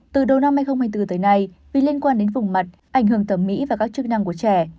từ đầu năm hai nghìn hai mươi bốn tới nay vì liên quan đến vùng mặt ảnh hưởng thẩm mỹ và các chức năng của trẻ